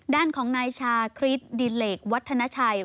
ด้านของนายชาคริสดิเลกวัฒนาชัย